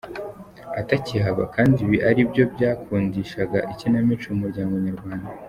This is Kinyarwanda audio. atakihaba, kandi ibi ari byo byakundiskaga ikinamico, umuryango nyarwanda.